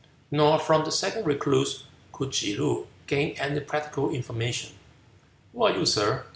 Nor from the second recluse could Tsze loo gain any practical information. "Who are you, sir?"